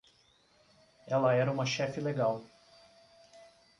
Ela era uma chefe legal.